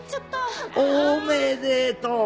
おめでとう！